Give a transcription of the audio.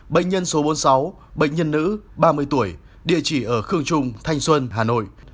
bệnh nhân số bốn mươi sáu bệnh nhân nữ ba mươi tuổi địa chỉ ở khương trung thanh xuân hà nội